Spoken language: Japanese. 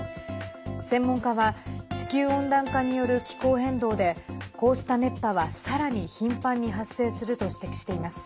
専門家は地球温暖化による気候変動でこうした熱波はさらに頻繁に発生すると指摘しています。